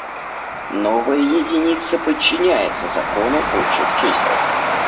Новая единица подчиняется закону общих чисел.